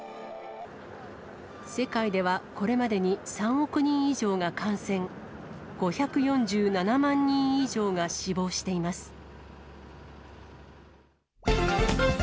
世界ではこれまでに３億人以上が感染、５４７万人以上が死亡しています。